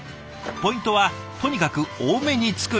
ポイントはとにかく多めに作ること。